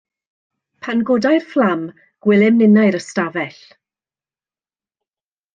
Pan godai'r fflam, gwelem ninnau'r ystafell.